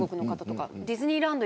ディズニーランド